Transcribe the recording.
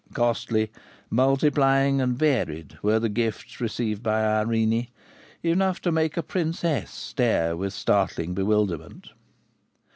Costly, multiplying, and varied were the gifts received by Irene; enough to make a princess stare with startling bewilderment.